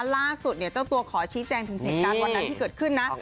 ล่าสุดเจ้าตัวขอชี้แจงถึงเทคตาตอนนั้นที่เกิดขึ้นนะ